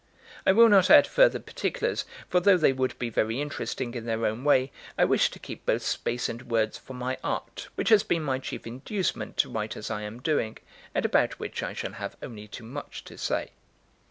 I will not add further particulars; for though they would be very interesting in their own way, I wish to keep both space and words for my art, which has been my chief inducement to write as I am doing, and about which I shall have only too much to say.